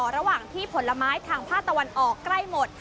ระหว่างที่ผลไม้ทางภาคตะวันออกใกล้หมด